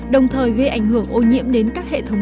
đồng thời gây ảnh hưởng ô nhiễm đến các hệ thống